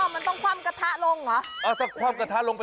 มันต้องคว่ำกระทะลงเหรอ